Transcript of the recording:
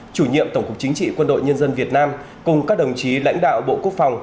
chủ nhiệm tổng cục chính trị quân đội nhân dân việt nam cùng các đồng chí lãnh đạo bộ quốc phòng